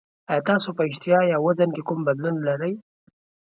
ایا تاسو په اشتها یا وزن کې کوم بدلون لرئ؟